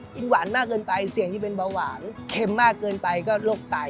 หวานมากเกินไปเสี่ยงที่เป็นเบาหวานเค็มมากเกินไปก็โรคไต